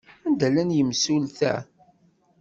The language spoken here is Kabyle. Anda llan yimsulta?